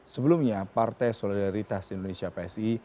sebelumnya partai solidaritas indonesia psi